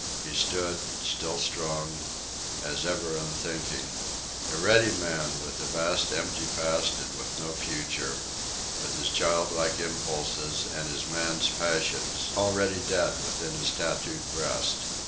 He stood, still strong, as ever unthinking; a ready man with a vast empty past and with no future, with his childlike impulses and his man's passions already dead within his tattooed breast.